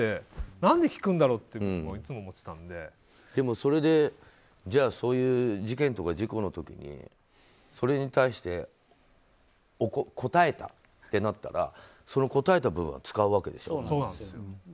何で聞くんだろうってでも、それでそういう事件とか事故の時にそれに対して答えたってなったらその答えた部分は使うわけでしょ。